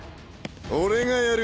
俺がやる。